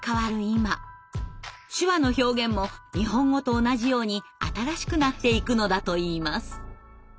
今手話の表現も日本語と同じように新しくなっていくのだといいます。